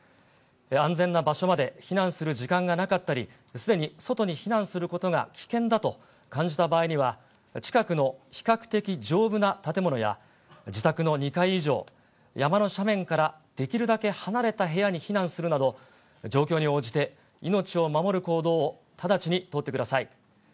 安全な場所まで避難する時間がなかったり、すでに外に避難することが危険だと感じた場合には、近くの比較的丈夫な建物や、自宅の２階以上、山の斜面からできるだけ離れた部屋に避難するなど、状況に応じて命を守る行動を直ちに取ってください。